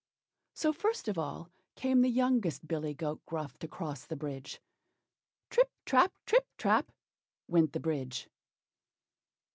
So first of all came the youngest billy goat Gruff to cross the bridge. "Trip, trap! trip, trap!" went the bridge.